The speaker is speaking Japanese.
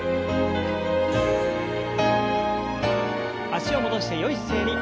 脚を戻してよい姿勢に。